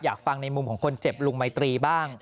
ฟังในมุมของคนเจ็บลุงมัยตรีบ้าง